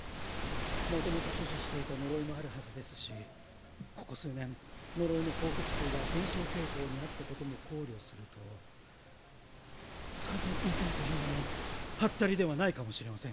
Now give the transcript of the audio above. もともと所持していた呪いもあるはずですしここ数年呪いの報告数が減少傾向にあったことも考慮すると数２０００というのもはったりではないかもしれません。